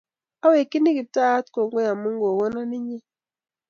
Awekchini Kiptaiyat kongoi amun kogonon inye.